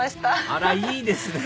あらいいですね！